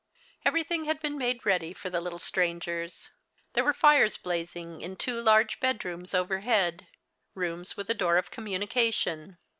Everything had been made ready for the little strangers. There were lires blazing in two large bedrooms overhead ; rooms with a door of communication.